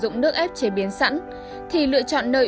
dụng cụ làm kèm cấu bẩn hoen dị